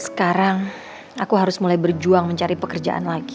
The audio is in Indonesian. sekarang aku harus mulai berjuang mencari pekerjaan lagi